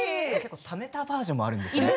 ためたバージョンもあるんですね。